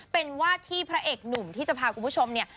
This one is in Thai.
เป็นวาดที่พระเอกหนุ่มที่จะพาคุณผู้ชมเนี่ย